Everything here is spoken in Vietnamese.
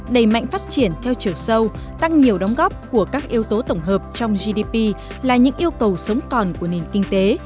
đầy mạnh phát triển theo chiều sâu tăng nhiều đóng góp của các yếu tố tổng hợp trong gdp là những yêu cầu sống còn của nền kinh tế